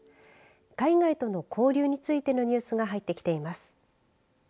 海外との交流についてのニュースが入ってきています。